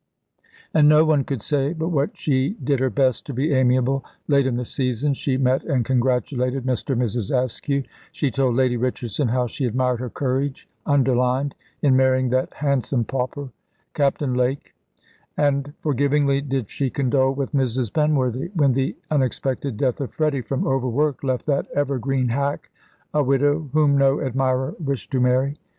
And no one could say but what she did her best to be amiable. Late in the season she met and congratulated Mr. and Mrs. Askew; she told Lady Richardson how she admired her courage underlined in marrying that handsome pauper, Captain Lake; and forgivingly did she condole with Mrs. Penworthy, when the unexpected death of Freddy, from overwork, left that evergreen hack a widow whom no admirer wished to marry.